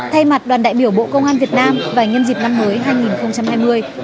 thay mặt đoàn đại biểu bộ công an việt nam và nhân dịp năm mới hai nghìn hai mươi